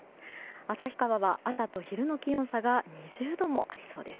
旭川は朝と昼の気温差が２０度もありそうです。